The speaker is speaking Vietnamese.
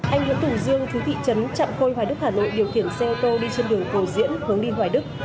anh huyện thủ dương thú thị trấn chạm khôi hoài đức hà nội điều khiển xe ô tô đi trên đường cầu diễn hướng đi hoài đức